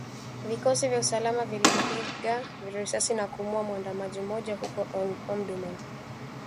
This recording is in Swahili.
Vikosi vya usalama vilimpiga risasi na kumuuwa muandamanaji mmoja huko Omdurman